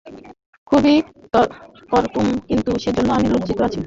খুবই করতুম– কিন্তু সেজন্যে আমি লজ্জিত আছি।